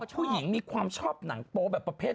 ผู้หญิงมีความชอบหนังโป๊แบบประเภท